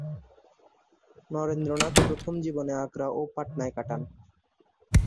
নগেন্দ্রনাথ প্রথম জীবনে আগ্রা ও পাটনায় কাটান।